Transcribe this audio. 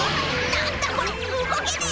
なんだこれうごけねえ。